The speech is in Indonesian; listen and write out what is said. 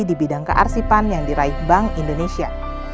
di bidang kearsipan yang diraih bank indonesia